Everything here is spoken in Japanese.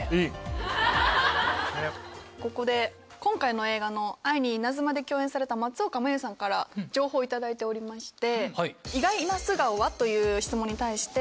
ここで今回の映画の『愛にイナズマ』で共演された松岡茉優さんから情報を頂いておりまして。